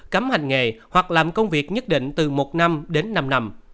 cấm hành nghề hoặc làm công việc nhất định từ một năm đến năm năm